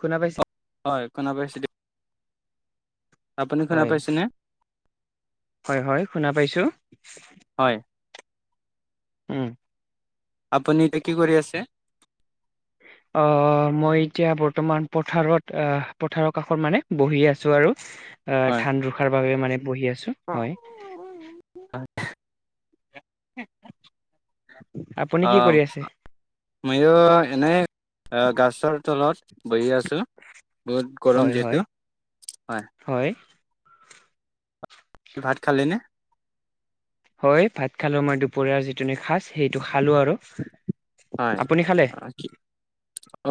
শুনা পাই হয়, শুনা পাইছো দিয়ক। আপুনি শুনা হয়, পাইছেনে হয়, হয় শুনা পাইছোঁ। হয়। উম। আপুনি এতিয়া কি কৰি আছে? আহ মই এতিয়া বৰ্তমান পথাৰত আহ পথাৰৰ কাষত মানে বহি আছোঁ আৰু। হয় ধান ৰখাৰ বাবে মানে বহি আছো হয়। [inaudible] [inaudible] আপুনি কি আহ কৰি আছে? ময়ো এনে গছৰ তলত বহি আছো। বহুত হয় গৰম হয় যিহেতু হয়। হয়। ভাত খালিনে? হয়, ভাত খালো মই দুপৰীয়াৰ যিটো নেকি সাঁজ সেইটো খালো আৰু। হয়, আপুনি খালে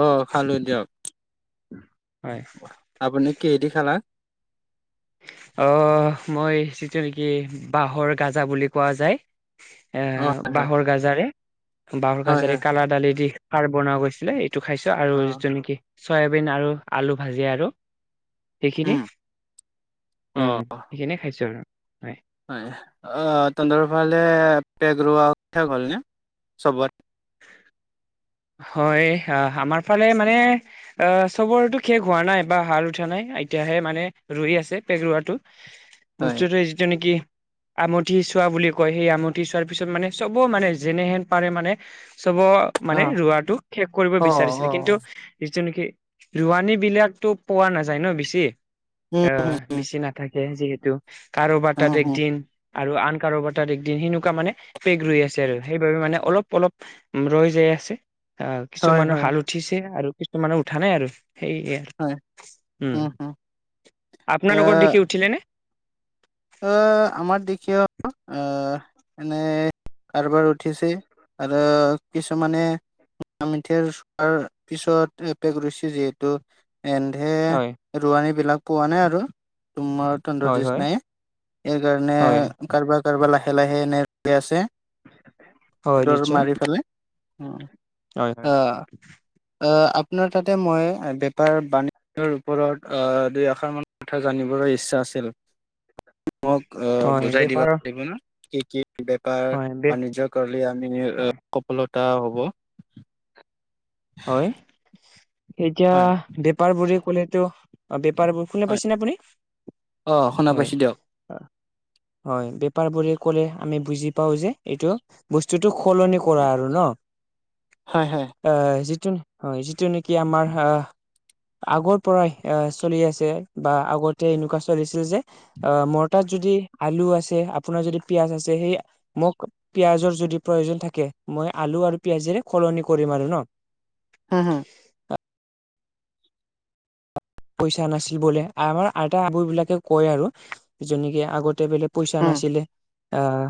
অ' খালো দিয়ক। হয়। আপুনি কিহে দি খালা? আহ মই যিটো নেকি বাঁহৰ গাজা বুলি কোৱা যায়। এ অ হয় বাহৰ গাজাৰে বাহৰ হয় হয় গাজাৰে হয় কালা দালি দি খাৰ বনোৱা গৈছিলে এইটো খাইছো আৰু অ যিটো নেকি চয়াবিন আৰু আলু ভাজি আৰু। সেইখিনি। উম অ উম, সেইখিনিয়ে খাইছো আৰু। হয়, তহঁৰ ফালে পেগ ৰোৱা [unintelligible] হ'লনে চবত হয়, আমাৰ ফালে মানে আহ চবৰটো শেষ হোৱা নাই বা হাল উঠা নাই এতিয়াহে মানে ৰই আছে পেগ ৰোৱাটো। হয় [unintelligible] নেকি আমুঠি চোৱা বুলি কয় সেই আমুঠি চোৱাৰ পিছত মানে চব মানে যেনেহেন পাৰে মানে। চব মানে অ' ৰোৱাটো শেষ কৰিব অ অ বিচাৰিছিলে কিন্তু। যিটো নেকি ৰোৱানী বিলাকতো পোৱা নাযায় ন বেছি উম উম আহ উম বেছি নাথাকে যিহেতু কাৰোবাৰ উম তাত উম একদিন। আৰু আন কাৰোবাৰ তাৰদিন সেনেকুৱা মানে পেগ ৰৈ আছে আৰু সেইবাবে মানে অলপ অলপ। উম ৰৈ যাই আছে আহ হয় কিছুমানৰ হয় হাল উঠিছে আৰু কিছুমানৰ উঠা নাই আৰু সেইয়ে হয় উম। আপোনালোকৰ দেখি উঠিলে নে? আহ আমাৰ দেখীয় আহ এনে কাৰোবাৰ উঠিছে আৰু কিছুমানে ম মিঠৰ চোৱাৰ পিছত এপেক ৰুছি জে [unintelligible] এন্ধে হয় ৰোৱানী বিলাক পোৱা নাই আৰু তোমাৰ তহঁতৰ হয় হয় নিচিনাই। সেইকাৰণে হয় কাৰোবাৰ কাৰোবাৰ লাহে লাহে এনে লে আছে। হয় নিশ্চয় মাৰি পেলাই হয় হয় আহ আপোনাৰ তাতে মই বেপাৰ বাণিজ্যৰ ওপৰত দুইআশাৰ মান কথা জানিবলৈ ইচ্ছা আছিল মোক আহ হয় বুজাই দিব বেপাৰৰ পাৰিব না কি কি? বেপাৰ হয় বে বাণিজ্য কৰিলে আমি হয় সফলতা হ'ব। হয় এতিয়া হয় বেপাৰ বোৰে ক'লেতো বেপাৰবোৰ ফোনে হয় পাইছেনে আপুনি অ শুনা হয় পাইছো দিয়ক অ' হয় বেপাৰ বুলি ক'লে আমি বুজি পাও যে এইটো বস্তুটো সলনি ক কৰা আৰু ন হয় হয় আহ যিটো হয় যিটো নেকি আমাৰ আহ আগৰ পৰাই এ চলি আছে বা আগতে এনেকুৱা চলিছিল যে অ' মোৰ তাত যদি আলু আছে আপোনাৰ যদি পিয়াজ আছে সেই মোক পিয়াজৰ যদি প্ৰয়োজন থাকে মই আলু আৰু পিয়াজেৰে সলনি কৰিম আৰু ন। [inaudible] পইচা নাছিল বোলে আমাৰ আইটা আবু বিলাকে কয় আৰু জনীকে আগতে বেলেগ পইচা হুম নাছিলে অ',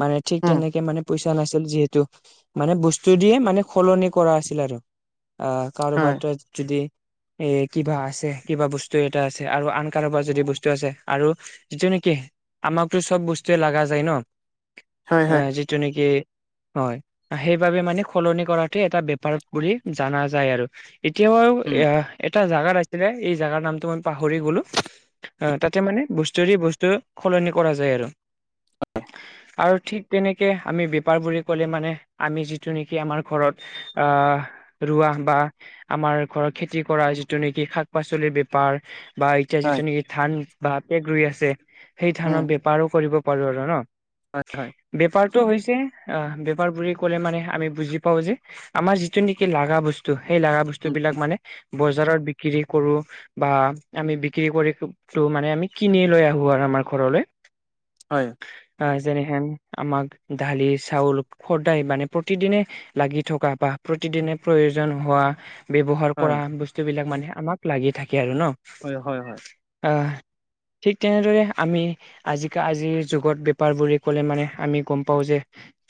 মানে ঠিক হুম তেনেকে মানে পইচা নাছিল যিহেতু মানে বস্তু দিয়ে মানে সলনি কৰা আছিল আৰু আহ। কাৰোবাৰ হয় যদি এ কিবা আছে কিবা বস্তু এটা আছে আৰু আন কাৰোবাৰ যদি বস্তু আছে আৰু যিটো নেকি আমাকতো চব বস্তুৱে লগা যায় ন হয় হয় যিটো নেকি হয় সেইবাবে মানে সলনি কৰাটো এটা বেপাৰ বুলি জানা যায় আৰু। এতিয়া বাৰু উম এ এটা জাগাত আছিলে এই জাগাৰ নামটো মই পাহৰি গলো। আহ তাতে মানে বস্তুৰে বস্তু সলনি কৰা যায় আৰু। আৰু ঠিক তেনেকে আমি বেপাৰ বুলি ক'লে মানে আমি যিটো নেকি আমাৰ ঘৰত। আহ ৰোৱা বা আমাৰ ঘৰত খেতি কৰা যিটো নেকি শাক। শাক পাচলিৰ বেপাৰ বা এতিয়া হয় যিটো নেকি ধান বা পেক ৰুই আছে সেই উম থানৰ বেপাৰো কৰিব পাৰো আৰু ন। হয় হয় বেপাৰটো হৈছে অ' বেপাৰটো বুলি ক'লে মানে আমি বুজি পাওঁ যে আমাৰ যিটো নেকি লাগা বস্তু সেই লাগা বস্তু উম বিলাক মানে বজাৰত বিক্ৰী। কৰো বা আমি বিক্ৰী কৰি মানে আমি কিনি লৈ আহো আৰু আমাৰ ঘৰলৈ [inaudible] হয়। আহ যেনেহেন আমাক দালি চাউল সদায় মানে প্ৰতিদিনে লাগি থকা বা প্ৰতিদিনে প্ৰয়োজন হোৱা ব্যৱহাৰ হয় কৰা বস্তুবিলাক মানে আমাক লাগি থাকে আৰু ন হয় হয় হয়। আহ ঠিক তেনেদৰে আমি আজি আজিৰ যুগত বেপাৰ বুলিোৰে কলে মানে আমি গম পাও যে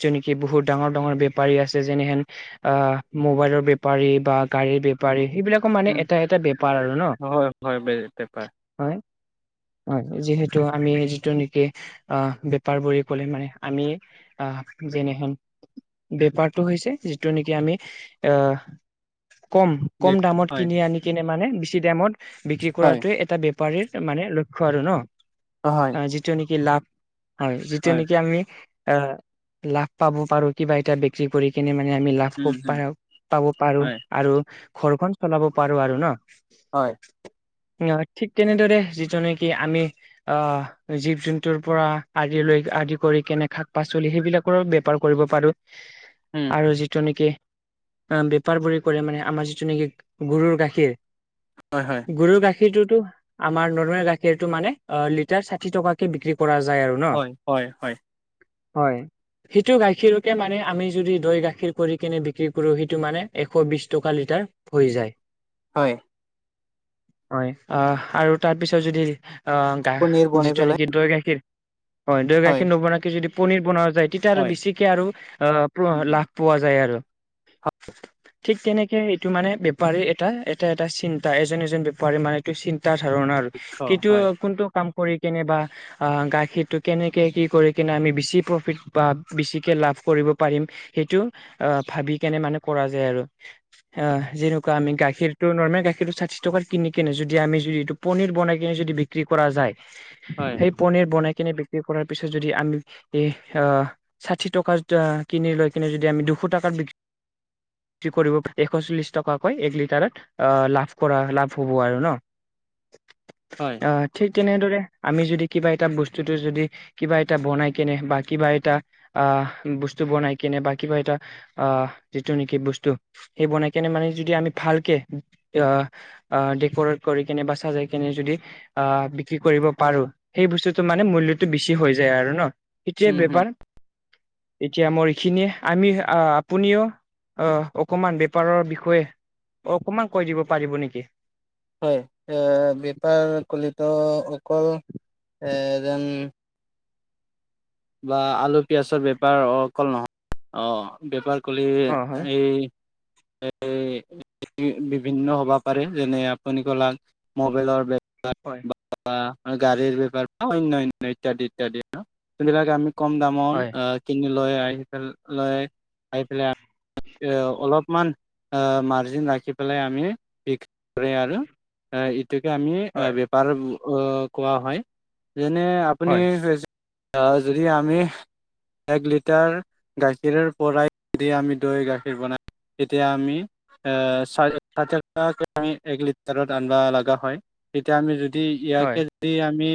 য নেকি বহুত ডাঙৰ ডাঙৰ বেপী আছে যেনেহেন অ', মোবাইলৰ বেপাৰী বা গাড়ীৰ বেপাৰী সেইবিলাক মানে উম এটা এটা বেপাৰ আৰু ন হয় হয় বেপাৰ হয় হয়, যিহেতু আমি যিটো নেকি অ বেপাৰ বুলি কলে মানে আমি আহ যেনেহেন বেপাৰটো হৈছে যিটো নেকি আমি আহ কম, কম, দামত হয় কিনি আনি কিনে মানে বেছি দামত বিক্ৰী কৰাটো এটা বেপাৰীৰ মানে লক্ষ আৰু ন অ', হয় আহ যিটো নেকি লাভ হয়, যিটো নেকি আমি আহ লাভ পাব পাৰো কিবা এটা যি কৰি কিনে মানে আমি লাভ উম খব প হুম পাব পাৰো হয় আৰু ঘৰখন চলাব পাৰো আৰু ন হয়। অ', ঠিক তেনেদৰে যিজন নেকি আমি অ', জীৱ জন্তুৰ পৰা আদি লৈ আদি কৰি কেনে শাক পাচলি সেইবিলাক বেপাৰ কৰিব পাৰো উম আৰু যিটো নেকি বেপাৰ বুলি কৰে মানে আমাৰ যিটো নেকি গৰুৰ গাখীৰ হয়, হয় গৰুৰ গাখীৰটোতো আমাৰ নৰ্মেল গাখীৰটো মানে অ লিটাৰ ষাঠি টকা বিক্ৰী কৰা যায় আৰু ন হয় হয় হয় হয় সেইটো গাখীৰকে মানে, আমি যদি দৈ গাখীৰ কৰি কিনে বিক্ৰী কৰোঁ সেইটো মানে এশ বিশছ টকা লিটাৰ হৈ যায় হয়। হয়, আহ আৰু তাৰপিছত যদি আহ গা পনীৰ বনাই যিটো পেলাই নেকি দৈ গাখীৰ হয়। দৈ গাখীৰ নবখি যদি পনীৰ বনোৱা যায় তেতিয়া আৰু হয় বেছিকে আৰু লাভ পোৱা যায়, আৰু ঠিক তেনেকে এইটো মানে বেপাৰী এটা এটা, এটা চিন্তা এজন এজন বেপাৰী মানে, এইটো চিন্তাৰ ধাৰণা আৰু কিন্তু হয় কোনটো কাম কৰি কেনেবা আহ গাখীৰটো কেনেকে কি কৰি কিনে আমি বেছি প্ৰফিট বা বেছিকে লাভ কৰিব পাৰিম সেইটো আহ ভাবি কেনে মানে কৰা যায় আৰু আহ যেনেকুৱা আমি গাখীৰ ত নৰ্মেল গাখীৰটোৰ ষাঠি টকাৰ কিনি কেনে যদি আমি যদি এইটো পনীৰ বনাই কেনে যদি বিক্ৰী কৰা যায় হয়। পনিৰ বনাই কিনে বিক্ৰী কৰাৰ পিছত যদি আমি এই আহ ষাঠি টকা কিনি লৈ কিনে যদি আমি দুশ টকাত বি কি কৰিব এশ চল্লিশ টকাকৈ এক লিটাৰত আহ লাভ কৰা লাভ হ'ব আৰু ন হয় আহ ঠিক তেনেদৰে আমি যদি কিবা এটা বস্তুটো যদি কিবা এটা বনাই কেনে বা কিবা এটা আহ বস্তু বনাই কেনে বা কিবা এটা আহ যিটো নেকি বস্তু সেই বনাই কেনে মানে যদি আমি ভালকে আহ ডেক'ৰেট কৰি কেনে বা চাজাই কেনে যদি আহ বিক্ৰী কৰিব পাৰো সেই বস্তুটো মানে মূল্যতটো বেছি হৈ যায় আৰু ন সটোৱে উম, হুম। বেপাৰ এতিয়া মোৰ এইখিনিয়ে আমি আহ আপুনিও অ', কমান বেপাৰৰ বিষয়ে অকমান কৈ দিব পাৰিব নেকি? হয়, এ বেপাৰ কলিত অকল এ যেন বা আলু পিয়াজৰ বেপাৰ অকল নহয় অ বেপাৰ সকলে অ হয়, এই এই বিভিন্ন হবা পাৰে যেনে আপুনি কলাক মবাইলৰ বাৰ হয়। গাড়ীৰ বেপাৰ বা অন্য অন্য ইত্যাদি ইত্যাদি যোনবিলাকে আমি কম দামত হয়, কিনি লৈ আহিফ লয় আহাই পেলাই এ অলপমান মাৰ্জিন ৰাখি পেলাই আমি বিক্ৰী কৰে আৰু গতিকে আমি হয়, বেপাৰ কোৱা হয় যেনে হয়, আপুনি আহ যদি আমি এক লিটাৰ গাখীৰ পৰাই দি আমি দৈ গাখীৰ বনাই এতিয়া আমি এম এক লিটাৰত আনিবা লগা হয় তেতিয়া আমি যদি ইয়াকে যদি আমি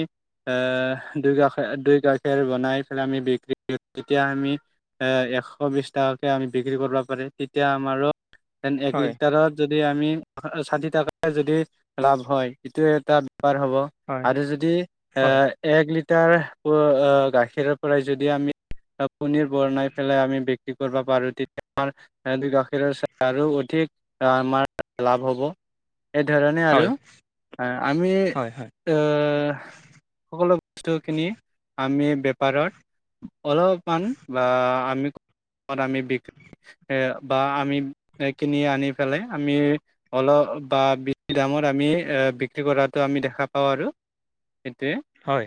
আহ দুই গাষ দুই খেৰ বনাই পেলাই আমি বিক্ৰী তেতিয়া আমি এ এশ বিশ টকাকে আমি বিক্ৰী কৰিব পাৰে তেতিয়া আমাৰোন এক হয়, হয়, লিটাৰত যদি আমি ষাঠি টকাই যদি লাভ হয় এইটোোৱে এটা বেপাৰ হ'ব হয়, আৰু যদি এ এক লিটাৰ গাখীৰৰ পৰাই যদি আমি কনীৰ বনাই পেলাই আমি বিক্ৰী কৰিব পাৰো তেতিয়া আম সহ গাখীৰৰ আৰু অধিক আমাৰ লাভ হ'ব এইধৰণে হয়, আৰু হয়, আমি হয়, সকলো বস্তুখিনি আমি বেপাৰত অলপান বা আমি আমি বিক এ বা আমি কিনি আনি পেলাই আমি অলপ বা বেছি দামত আমি বিক্ৰী কৰাটোো আমি দেখা পাওঁ আৰু এ হয়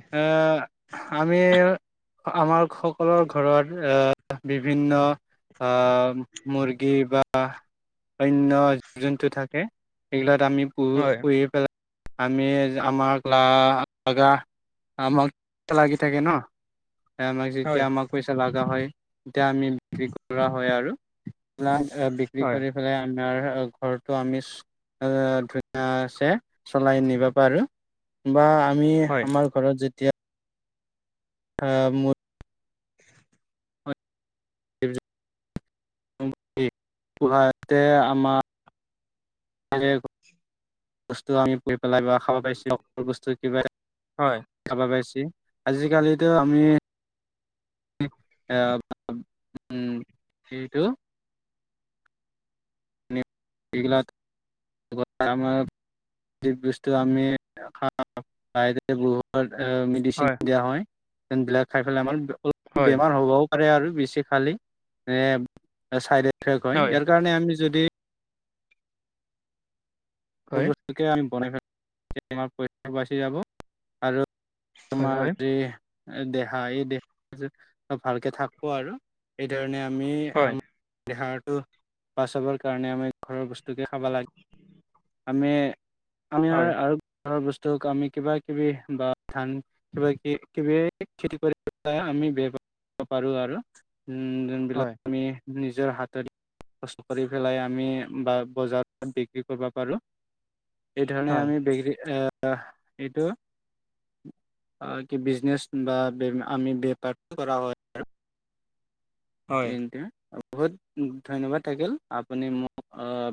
আমি আমাৰ সকলৰ ঘৰত আহ বিভিন্ন মৰ্গী বা অন্য যোনটো থাকে সেইগিলাক আমি পুহ পেলাই আমি আমাৰ ক্ লগা আমাক লাগি থাকে ন আমাক যেতিয়া হয়, আমাক পইচা লগা হয় তেতিয়া আমি বিক্ৰী কৰা হয় আৰু বিক্ৰী কৰে ফালে আমাৰ ঘৰৰতো আমি ধুনছে চলাই নিবা পাৰু বা আমি হয়, হয়, আমাৰ ঘৰত যেতিয়া অ মোৰ তে আমাৰ বস্তু আমি প পেলাই বা খাব পাইছোকল বস্তু কিবা হয় চাবা পাইছি আজিকালিতো আমি এইটো িক যি বস্তু আমি গহত মেডিচিন দিয়া হয় যেনবিলাক খাই পেলাই আমাৰ অলপ হয়, বেমাৰ হ'বও আৰু বেছি খালি চাই এফেক্ হয় ইয়াৰ কাৰণে আমি যদি মি বনাই ফমাৰ পচ বাচি যাব। আৰু তোমাৰ য দেহা এই দেহা ভালকে থাকিব। আৰু সেই ধণে আমি আম। দেহাৰটো পাছ হাবৰ কাৰণে আমি ঘৰৰ বস্তু কে খাব লাগে। আমি আমি আৰু ঘৰৰ বস্তুক আমি কিবা কিবি বা ধান। কিব কিব খেতি কৰিব আমি বেয়া পাৰো আৰু উম। বিলাক। আমি নিজৰ হাততচ কৰি পেলাই আমি বা বজাৰত বিক্ৰী কৰ। ব। হয়, কি বিজনেছ বা আমি বেপাৰ কৰা হয়। হয়, এট বহুত। ধন্যবাদ থাকিল আপুনি মোক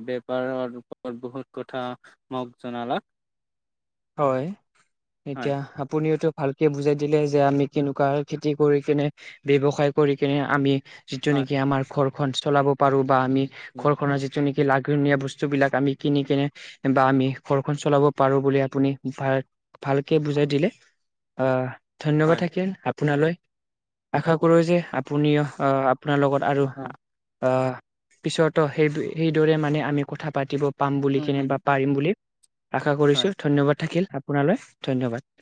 বেপাৰৰ ওপৰত বহুত কথা। মোক জনালা। হয়। হয় এতিয়া আপুনিওটো ভালকে বুজাই দিলে যে আমি কেনেকুৱা খেতি কৰি কিনে। ব্যৱসায় কৰি কিনে আমি। যিটো হয় নেকি আমাৰ ঘৰখন চলাব পাৰো বা আমি ঘৰ খনৰ যিটো নেকি। লাগনীয়া বস্তু বিলাক আমি কিনি কেনে বা আমি ঘৰখনন চলাব পাৰো বুলি। আপুনি ভাল ভালকে বুজাই দিলে আহ ধন্যবাদ হয় থাকিল আপোনালৈ। আশা কৰোঁ যে হয় আপুনিও আহ আপোনাৰ লগত আৰু আহ। পিছতো সেই সেইদৰে মানে আমি কথা পাতিব পাম বুলি হয় হয় কেনেবা পাৰিম বুলি। আশা কৰিছো হয় ধন্যবাদ থাকিল আপোনালৈ ধন্যবাদ।